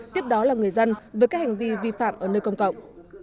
tiếp đó là người dân với các hành vi vi phạm ở nơi công cộng